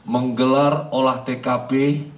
menggelar olah tkp